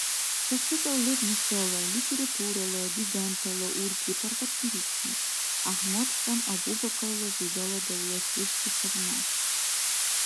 Ца секӀал леб нушала, литература дигантала уркӀи паргъатбируси – ГӀяхӀмадхан Абу-Бакарла жузала давлачебси хазна.